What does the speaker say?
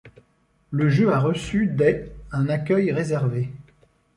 Le jeu a reçu des un accueil réservé.